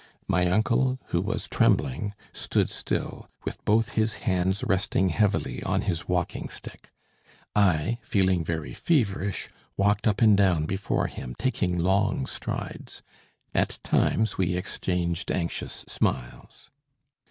My uncle, who was trembling, stood still, with both his hands resting heavily on his walking stick; I, feeling very feverish, walked up and down before him, taking long strides. At times we exchanged anxious smiles.